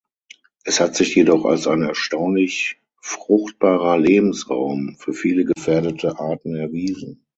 Es hat sich jedoch als ein erstaunlich fruchtbarer Lebensraum für viele gefährdete Arten erwiesen.